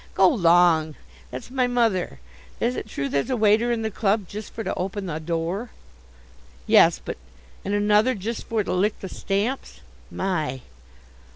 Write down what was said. "Go 'long! that's my mother. Is it true there's a waiter in the club just for to open the door?" "Yes, but " "And another just for to lick the stamps? My!"